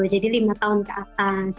jadi lima tahun ke atas